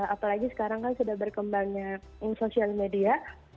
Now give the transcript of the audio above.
apalagi sekarang kan sudah berkembangnya social media